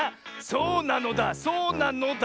そうなのだそうなのだ！